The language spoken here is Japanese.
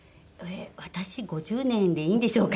私５０年でいいんでしょうか？